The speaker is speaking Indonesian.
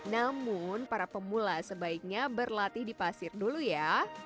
namun para pemula sebaiknya berlatih di pasir dulu ya